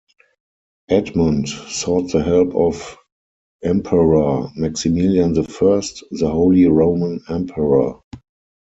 Edmund sought the help of Emperor Maximilian the First, the Holy Roman Emperor.